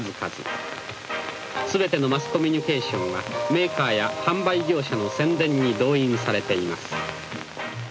すべてのマスコミュニケーションはメーカーや販売業者の宣伝に動員されています。